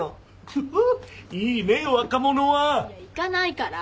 いや行かないから！